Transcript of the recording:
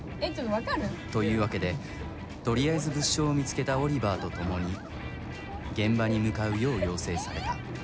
というわけで、とりあえず物証を見つけたオリバーと共に現場に向かうよう要請された。